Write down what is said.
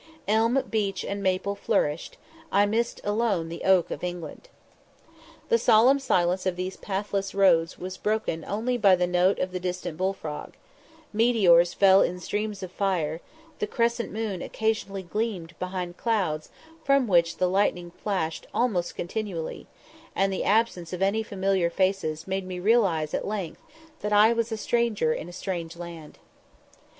Elm, beech, and maple flourished; I missed alone the oak of England. The solemn silence of these pathless roads was broken only by the note of the distant bull frog; meteors fell in streams of fire, the crescent moon occasionally gleamed behind clouds from which the lightning flashed almost continually, and the absence of any familiar faces made me realize at length that I was a stranger in a strange land.